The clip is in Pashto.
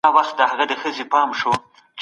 ژوند یو فرصت دی.